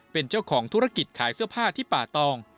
เป็นเจ้าของธุรกิจขายเสื้อผ้าที่ป่าตอง